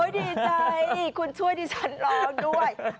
ดีใจคุณช่วยดิฉันร้องด้วย